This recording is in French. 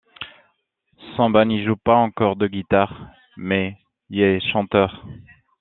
Samba n'y joue pas encore de guitare mais y est chanteur.